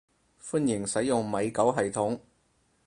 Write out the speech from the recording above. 歡迎使用米狗系統